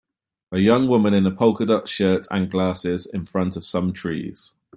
A young woman in a polka dot shirt and glasses in front of some trees.